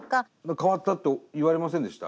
変わったと言われませんでした？